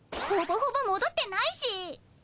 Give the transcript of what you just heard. ほぼほぼ戻ってないし！